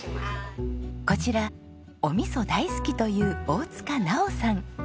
こちらお味噌大好きという大塚奈央さん。